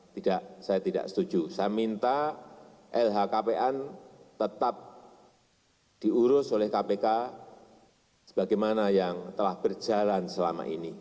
tidak saya tidak setuju saya minta lhkpn tetap diurus oleh kpk sebagaimana yang telah berjalan selama ini